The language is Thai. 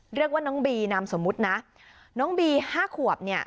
เรียกว่าน้องบีนามสมมุตินะน้องบีห้าขวบเนี่ย